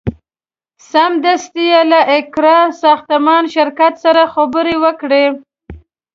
سمدستي یې له اقراء ساختماني شرکت سره خبرې وکړې.